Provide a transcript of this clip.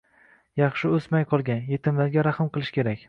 yaxshi o'smay qolgan. Yetimlarga rahm qilish kerak.